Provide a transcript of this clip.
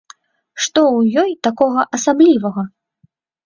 Што ў ёй такога асаблівага?